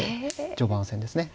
序盤戦ですね。